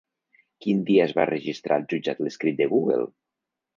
Quin dia es va registrar al jutjat l'escrit de Google?